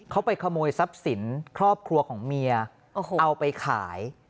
เขาไปขโมยทรัพย์สินครอบครัวของเมียเอาไปขาย